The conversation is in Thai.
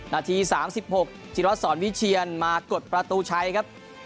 นาทีสามสิบหกจิตรวจสอนวิเชียรมากดประตูชัยครับ